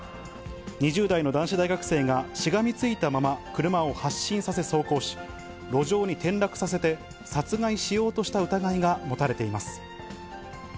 ２０代の男子大学生がしがみついたまま車を発進させ走行し、路上に転落させて、殺害しようとした疑いが持たれています。